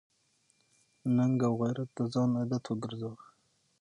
ننګ او غیرت د ځان عادت وګرځوه.